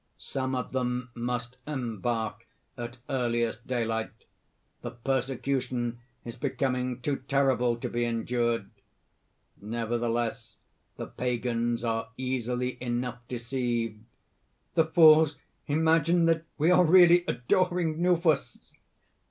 Some of them must embark at earliest daylight; the persecution is becoming too terrible to be endured. Nevertheless, the pagans are easily enough deceived_: "The fools imagine that we are really adoring Knouphus!"